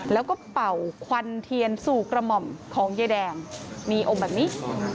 แล้วก็เป่าควันเทียนสู่กระหม่อมของยายแดงมีองค์แบบนี้